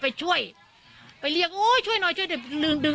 ไปช่วยไปเรียกโอ้ยช่วยหน่อยช่วยดึงดึง